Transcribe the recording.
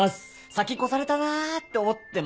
先越されたなって思ってます。